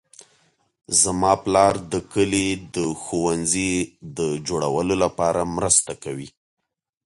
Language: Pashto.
زما پلار د کلي د ښوونځي د جوړولو لپاره مرسته کوي